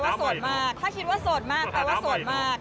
โสดมากถ้าคิดว่าโสดมากแปลว่าโสดมาก